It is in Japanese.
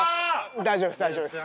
大丈夫です大丈夫です。